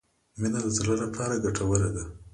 مڼه د زړه لپاره ګټوره ده.